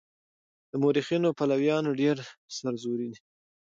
د مورخينو پلويان ډېر سرزوري دي.